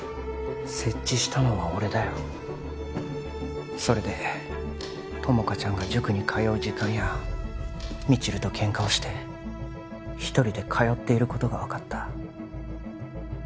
設置したのは俺だよそれで友果ちゃんが塾に通う時間や未知留とケンカをして一人で通っていることが分かった